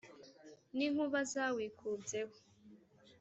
n' inkuba zawikubyeho.